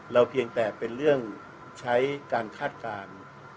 เพียงแต่เป็นเรื่องใช้การคาดการณ์